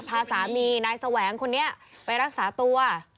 พาสามีนายแสวงคนนี้ไปรักษาตัว